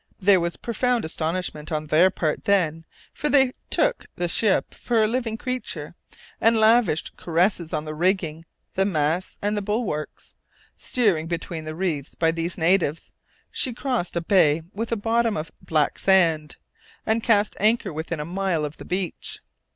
There was profound astonishment on their part then, for they took the ship for a living creature, and lavished caresses on the rigging, the masts, and the bulwarks. Steered between the reefs by these natives, she crossed a bay with a bottom of black sand, and cast anchor within a mile of the beach.